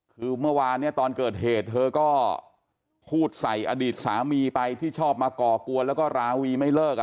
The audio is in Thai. คือเมื่อวานเนี่ยตอนเกิดเหตุเธอก็พูดใส่อดีตสามีไปที่ชอบมาก่อกวนแล้วก็ราวีไม่เลิก